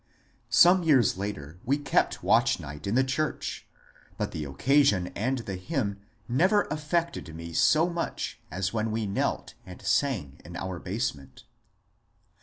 Some years later we kept Watch Night in the church, but the occasion and the hymn never affected me so much as when we knelt and sang in our basement.